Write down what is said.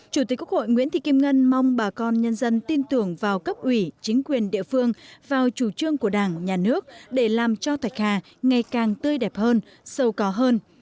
chủ tịch quốc hội nguyễn thị kim ngân mong bà con nhân dân tin tưởng vào cấp ủy chính quyền địa phương vào chủ trương của đảng nhà nước để làm cho thạch hà ngày càng tươi đẹp hơn sâu có hơn